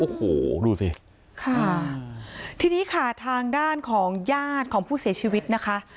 โอ้โหดูสิค่ะทีนี้ค่ะทางด้านของญาติของผู้เสียชีวิตนะคะ